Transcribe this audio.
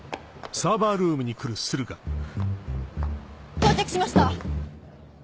到着しました！